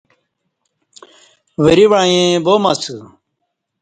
وری وعیں وام اسہ